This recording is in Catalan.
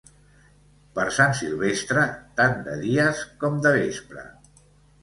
Per Sant Silvestre, tant de dies com de vespre.